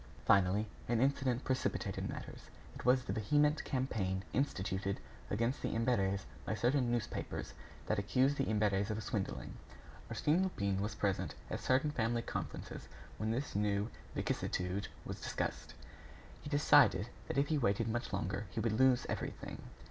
Finally, an incident precipitated matters; it was the vehement campaign instituted against the Imberts by certain newspapers that accused the Imberts of swindling. Arsène Lupin was present at certain family conferences when this new vicissitude was discussed. He decided that if he waited much longer, he would lose everything.